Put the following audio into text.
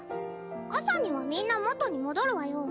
朝にはみんな元に戻るわよ